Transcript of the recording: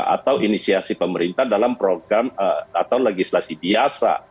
atau inisiasi pemerintah dalam program atau legislasi biasa